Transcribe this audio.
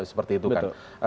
seperti itu kan